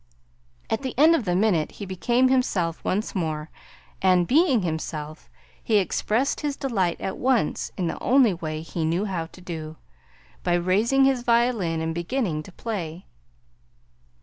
At the end of the minute he became himself once more; and being himself, he expressed his delight at once in the only way he knew how to do by raising his violin and beginning to play.